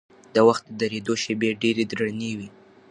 د وخت د درېدو شېبې ډېرې درنې وي.